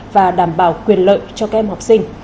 và đảm bảo quyền lợi cho các em học sinh